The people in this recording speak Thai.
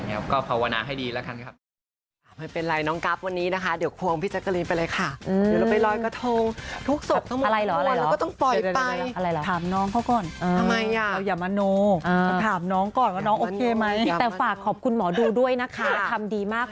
อะไรอย่างเงี้ยก็เผาวนาให้ดีแล้วกันครับ